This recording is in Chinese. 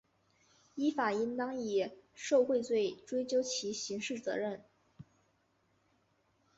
依法应当以受贿罪追究其刑事责任